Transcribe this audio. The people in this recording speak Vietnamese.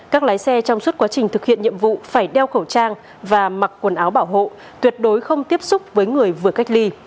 các lái xe trong suốt quá trình thực hiện nhiệm vụ phải đeo khẩu trang và mặc quần áo bảo hộ tuyệt đối không tiếp xúc với người vừa cách ly